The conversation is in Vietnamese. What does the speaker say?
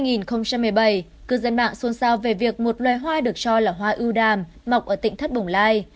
năm hai nghìn một mươi bảy cư dân mạng xôn xao về việc một loài hoa được cho là hoa ưu đàm mọc ở tỉnh thất bồng lai